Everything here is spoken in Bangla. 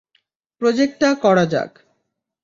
প্রজেক্টটা করা যাক।